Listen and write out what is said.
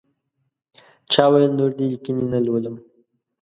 چا ویل نور دې لیکنې نه لولم.